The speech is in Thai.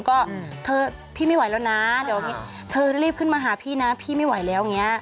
ก็เธอพี่ไม่ไหวแล้วนะเดี๋ยวเงี้ยเธอรีบขึ้นมาหาพี่นะพี่ไม่ไหวแล้ว